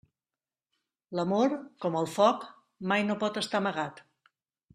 L'amor, com el foc, mai no pot estar amagat.